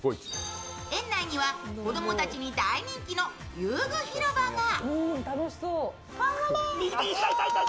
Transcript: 園内には子供たちに大人気の遊具広場が。